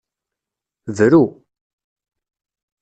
Bru.